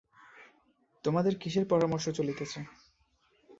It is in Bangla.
তোমাদের কিসের পরামর্শ চলিতেছে।